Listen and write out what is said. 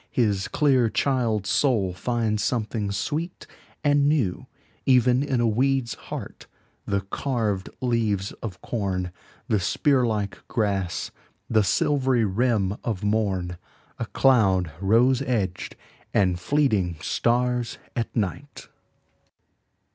His clear child's soul finds something sweet and newEven in a weed's heart, the carved leaves of corn, The spear like grass, the silvery rim of morn,A cloud rose edged, and fleeting stars at night!